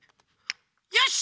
よし！